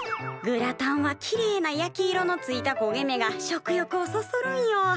グラタンはきれいな焼き色のついたこげ目が食欲をそそるんよ。